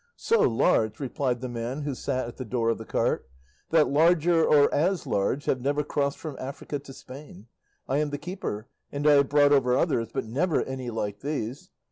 "So large," replied the man who sat at the door of the cart, "that larger, or as large, have never crossed from Africa to Spain; I am the keeper, and I have brought over others, but never any like these.